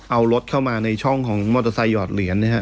เอารถเข้ามาในช่องของมอเตอร์ไซคอดเหรียญนะฮะ